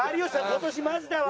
今年マジだわ。